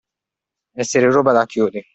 Essere roba da chiodi.